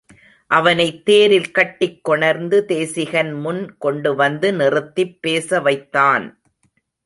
அவனைத் தேரில் கட்டிக் கொணர்ந்து தேசிகன் முன் கொண்டு வந்து நிறுத்திப் பேச வைத்தான்.